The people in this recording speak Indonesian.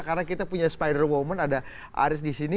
karena kita punya spider woman ada aris di sini